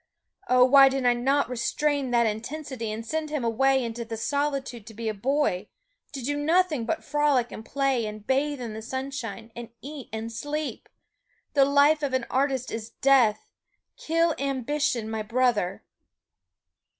Oh! why did I not restrain that intensity and send him away into the solitude to be a boy; to do nothing but frolic and play and bathe in the sunshine, and eat and sleep? The life of an artist is death. Kill ambition, my Brother!"